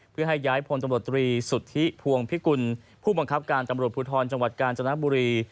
เพื่อให้ย้ายพลตำรวจตรีสุทธิพวงพิกุลผู้บังคับการตำรวจภูทรจังหวัดกาญจนบุรี